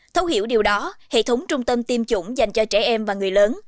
thấu hiểu điều đó hệ thống trung tâm tiêm chủng dành cho trẻ em và người lớn